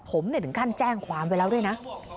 ผมถึงขั้นแจ้งความไปแล้วด้วยนะ